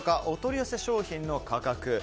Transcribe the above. お取り寄せ商品の価格。